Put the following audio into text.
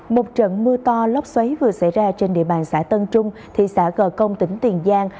một trận mưa to lốc xoáy vừa xảy ra trên địa bàn xã tân trung thị xã gò công tỉnh tiền giang